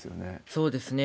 そうですね。